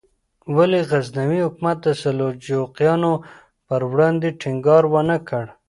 ولې غزنوي حکومت د سلجوقیانو پر وړاندې ټینګار ونکړ؟